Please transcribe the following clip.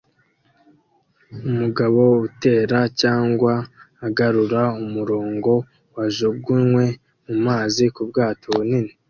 Umugabo utera cyangwa agarura umurongo wajugunywe mumazi ku bwato bunini